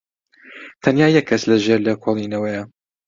تەنیا یەک کەس لەژێر لێکۆڵینەوەیە.